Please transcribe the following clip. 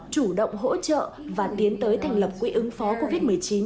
chủ động hỗ trợ và tiến tích